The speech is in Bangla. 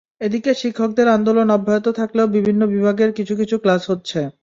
এদিকে শিক্ষকদের আন্দোলন অব্যাহত থাকলেও বিভিন্ন বিভাগের কিছু কিছু ক্লাস হচ্ছে।